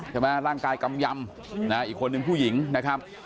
ร่างกายกำยำอีกคนนึงผู้หญิงนะครับ